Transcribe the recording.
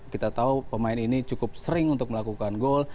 kita tahu pemain ini cukup sering untuk melakukan gol